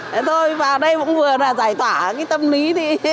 thế thôi vào đây cũng vừa là giải thỏa cái tâm lý đi